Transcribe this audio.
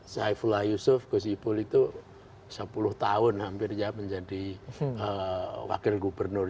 saifullah yusuf gus ipul itu sepuluh tahun hampir ya menjadi wakil gubernur